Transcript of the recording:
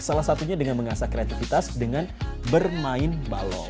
salah satunya dengan mengasah kreativitas dengan bermain balok